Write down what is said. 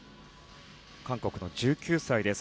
韓国の１９歳です。